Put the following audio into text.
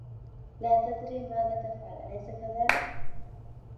لا تدري ماذا تفعل، أليس كذلك؟